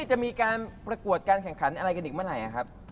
จะมีการประกวดการแข่งขันอะไรกันอีกเมื่อไหร่ครับ